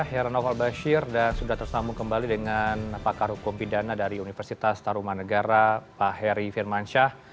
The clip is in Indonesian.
heranoval bashir dan sudah tersambung kembali dengan pakar hukum pidana dari universitas taruman negara pak heri firmansyah